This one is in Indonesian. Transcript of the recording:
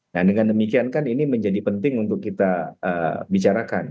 nah dengan demikian kan ini menjadi penting untuk kita bicarakan